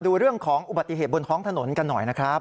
ดูเรื่องของอุบัติเหตุบนท้องถนนกันหน่อยนะครับ